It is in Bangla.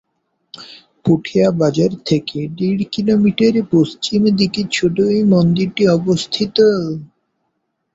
পুঠিয়া বাজার থেকে দেড় কি:মি: পশ্চিম দিকে ছোট এই মন্দিরটি অবস্থিত।